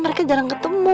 mereka jarang ketemu